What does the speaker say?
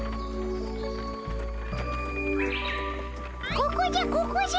ここじゃここじゃ。